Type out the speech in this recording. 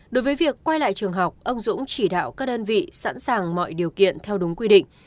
đối với việc quay lại trường học ông dũng chỉ đạo các đơn vị sẵn sàng mọi điều kiện theo đúng quy định